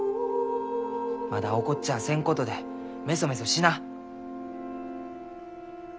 まだ起こっちゃあせんことでめそめそしな。